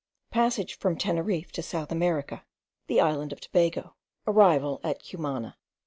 3. PASSAGE FROM TENERIFE TO SOUTH AMERICA. THE ISLAND OF TOBAGO. ARRIVAL AT CUMANA.